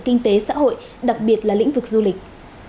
kinh tế xã hội đặc biệt là lĩnh vực du lịch